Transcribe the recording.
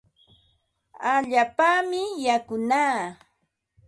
Allaapami yakunaa.